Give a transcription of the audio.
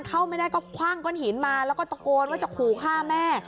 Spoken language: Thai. เข้าไม่ได้ก็คว่างก้นหินมาแล้วก็ตะโกนว่าจะขู่ฆ่าแม่